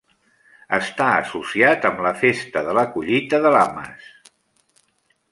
Està associat amb la festa de la collita de Lammas.